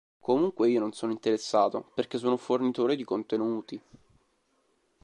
Comunque io non sono interessato perché sono un fornitore di contenuti".